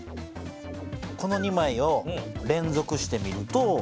この２枚を連続して見ると。